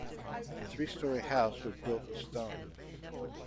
The three story house was built of stone.